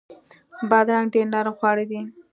بادرنګ ډیر نرم خواړه دي.